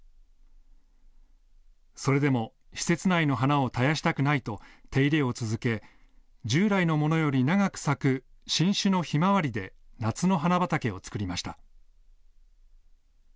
それでも施設内の花を絶やしたくないと手入れを続け従来のものより長く咲く新種のヒマワリで夏の花畑を作りました。